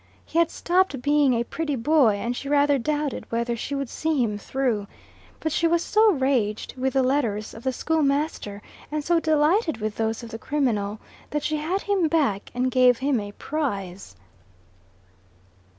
He had stopped being a pretty boy, and she rather doubted whether she would see him through. But she was so raged with the letters of the schoolmaster, and so delighted with those of the criminal, that she had him back and gave him a prize.